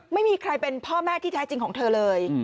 ไม่มีใครเป็นพ่อแม่ที่แท้จริงของเธอเลย